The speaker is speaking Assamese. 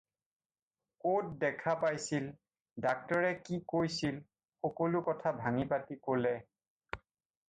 ক'ত দেখা পাইছিল, ডাক্তৰে কি কৈছিল-সকলো কথা ভাঙি-পাতি ক'লে।